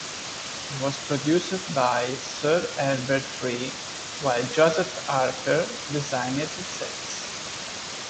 It was produced by Sir Herbert Tree while Joseph Harker designed the sets.